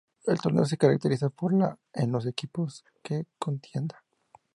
El torneo se caracteriza por la en los equipos en contienda.